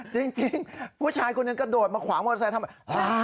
จริงผู้ชายคนหนึ่งกระโดดมาขวางมอเตอร์ไซค์ทำไม